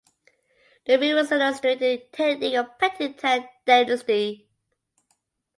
The murals illustrated the technique of painting in Tang Dynasty.